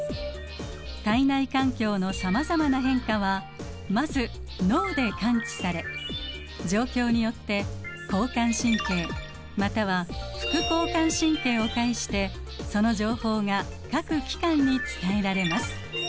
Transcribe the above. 体内環境のさまざまな変化はまず脳で感知され状況によって交感神経または副交感神経を介してその情報が各器官に伝えられます。